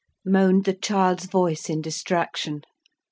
moaned the child's voice, in distraction.